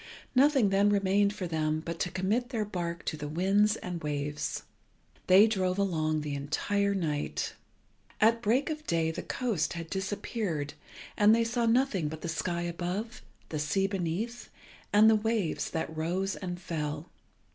Nothing then remained for them but to commit their bark to the wind and waves. They drove along the entire night. At break of day the coast had disappeared, and they saw nothing but the sky above, the sea beneath, and the waves that rose and fell.